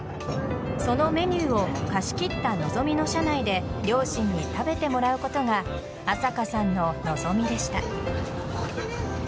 そのメニューを貸し切ったのぞみの車内で両親に食べてもらうことが麻香さんの望みでした。